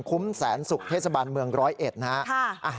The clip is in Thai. คุ้มแสนสุขเทศบาลเมืองร้อยเอ็ดนะครับ